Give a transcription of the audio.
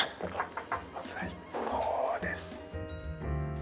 最高です。